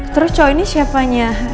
terus cowok ini siapanya